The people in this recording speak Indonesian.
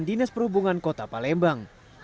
dinas perhubungan kota palembang